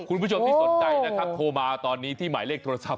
คุณผู้ชมที่สนใจนะครับโทรมาตอนนี้ที่หมายเลขโทรศัพท์